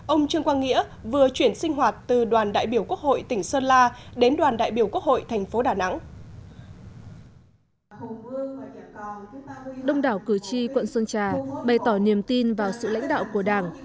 ông trương quang nghĩa vừa chuyển sinh hoạt từ đoàn đại biểu quốc hội tỉnh sơn la đến đoàn đại biểu quốc hội thành phố đà nẵng